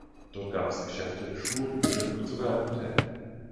Dort gab es Geschäfte, Schulen, Mühlen und sogar ein Hotel.